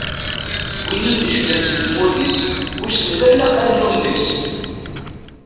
Win inejlan si tmurt-is, wissen ma ilaq ad nlum deg-s?